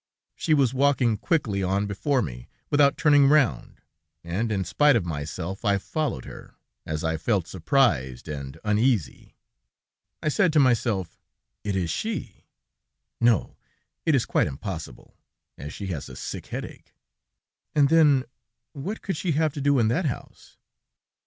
She was walking quickly on before me, without turning round, and, in spite of myself, I followed her, as I felt surprised and uneasy. I said to myself: 'It it she; no, it is quite impossible, as she has a sick headache. And then, what could she have to do in that house?'